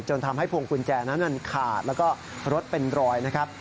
ทำให้พวงกุญแจนั้นขาดแล้วก็รถเป็นรอยนะครับ